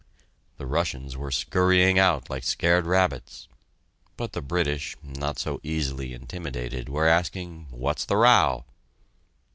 The Russians were scurrying out like scared rabbits, but the British, not so easily intimidated, were asking, "What's the row?"